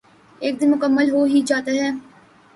ایک دن مکمل ہو ہی جاتا یے